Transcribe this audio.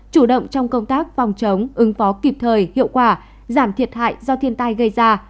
chủ động trong công tác phòng chống ứng phó kịp thời hiệu quả giảm thiệt hại do thiên tai gây ra